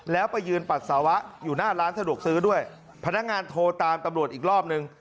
แล้วไปยืนปัสสาวะอยู่หน้าร้านสะดวกซื้อด้วยพนักงานโทรตามตำรวจอีกรอบนึง